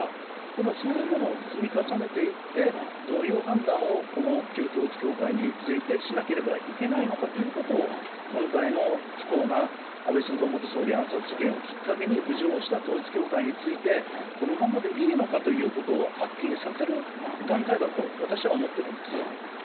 だからそういうものを積み重ねていって、どういう判断をこの旧統一教会についてしなければいけないのかということを、今回の不幸な安倍晋三元総理暗殺事件をきっかけに浮上した統一教会について、このままでいいのかということをはっきりさせる段階だと、私は思ってるんです。